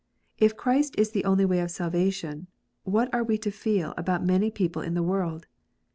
If Christ is the only way of salvation, what are we to feel about many people in the world